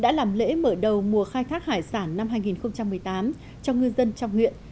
đã làm lễ mở đầu mùa khai thác hải sản năm hai nghìn một mươi tám cho ngư dân trong huyện